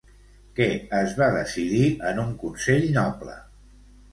Què es va decidir en un consell noble?